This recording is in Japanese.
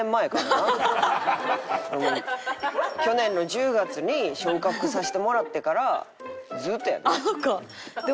去年の１０月に昇格させてもらってからずっとやで。